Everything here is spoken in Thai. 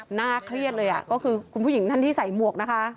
หน้าเครียดเลยก็คือคุณผู้หญิงท่านที่ใส่หมวกนะคะ